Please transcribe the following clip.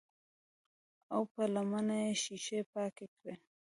او پۀ لمنه يې شيشې پاکې کړې